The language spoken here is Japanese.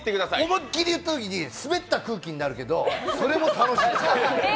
思い切り言ったときにスベった空気になるけどそれも楽しい。